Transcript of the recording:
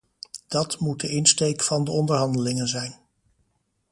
Dat moet de insteek van de onderhandelingen zijn.